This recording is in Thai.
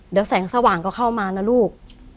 เดี๋ยวแสงสว่างก็เข้ามานะลูก